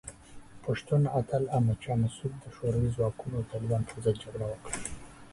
پښتون اتل احمد شاه مسعود د شوروي ځواکونو او طالبانو پر ضد جګړه وکړه.